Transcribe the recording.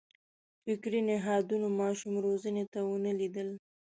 فکري نهادونو ماشوم روزنې ته ونه لېدل.